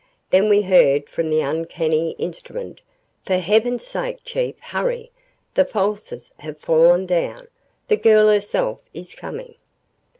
Then we heard from the uncanny instrument, "For Heaven's sake, Chief, hurry! The falsers have fallen down. The girl herself is coming!"